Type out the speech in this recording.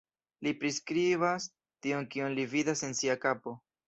Li priskribas tion kion li vidas en sia kapo.